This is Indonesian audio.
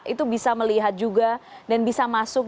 itu bisa melihat juga dan bisa masuk